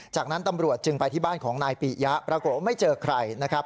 จากนั้นตำรวจจึงไปที่บ้านของนายปียะปรากฏว่าไม่เจอใครนะครับ